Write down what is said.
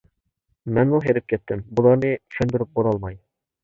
مەنمۇ ھېرىپ كەتتىم. بۇلارنى چۈشەندۈرۈپ بولالماي!